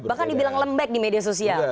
bahkan dibilang lembek di media sosial